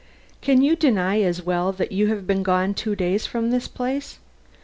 "Can you deny as well that you have been gone two days from this place?